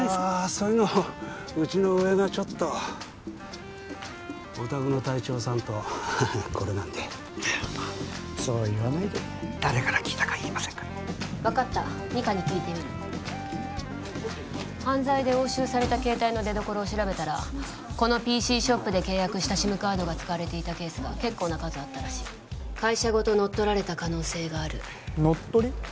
ああそういうのうちの上がちょっとお宅の隊長さんとコレなんでまあそう言わないで誰から聞いたか言いませんから分かった二課に聞いてみる犯罪で押収された携帯の出どころを調べたらこのＰＣショップで契約したＳＩＭカードが使われていたケースが結構な数あったらしい会社ごと乗っ取られた可能性がある乗っ取り？